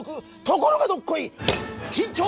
「ところがどっこい！」